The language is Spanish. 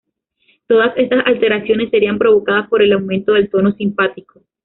Todas estas alteraciones serían provocadas por el aumento del tono simpático.